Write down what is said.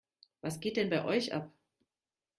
Was geht denn bei euch ab?